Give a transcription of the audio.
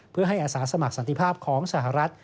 เพื่อให้อาสาสมัครสันติภาพของสหรัฐ